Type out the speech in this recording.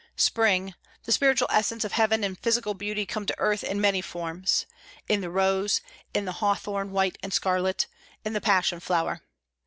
Spring, the spiritual essence of heaven and physical beauty come to earth in many forms in the rose, in the hawthorn white and scarlet, in the passion flower.